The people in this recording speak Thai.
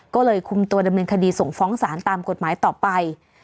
ก็เลยคุมตัวดำเนินคดีส่งฟ้องสารตามกฎหมายต่อไป